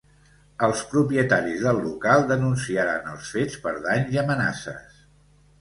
Els propietaris del local denunciaran els fets per danys i amenaces.